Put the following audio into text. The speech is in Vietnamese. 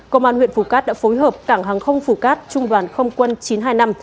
công an huyện phù cát đã phối hợp cảng hàng không phù cát trung đoàn không quân chín trăm hai mươi năm